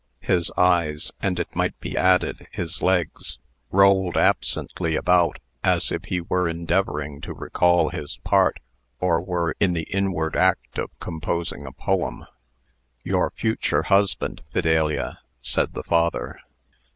His eyes (and, it might be added, his legs) rolled absently about, as if he were endeavoring to recall his part, or were in the inward act of composing a poem. "Your future husband, Fidelia," said the father.